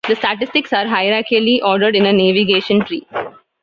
The statistics are hierarchically ordered in a navigation tree.